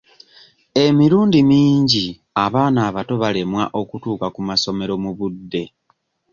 Emirundi mingi abaana abato balemwa okutuuka ku masomero mu budde.